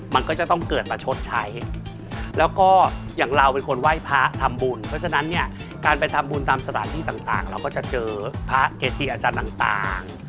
มันก็จะต้องเกิดมาชดใช้แล้วก็อย่างเราเป็นคนไหว้พระทำบุญเพราะฉะนั้นเนี่ยการไปทำบุญตามสถานที่ต่างเราก็จะเจอพระเกจิอาจารย์ต่าง